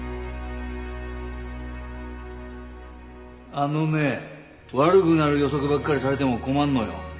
あのね悪ぐなる予測ばっかりされでも困んのよ。